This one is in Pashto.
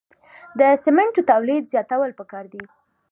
د سمنټو تولید زیاتول پکار دي